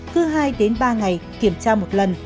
cứ hai ba ngày kiểm tra một lần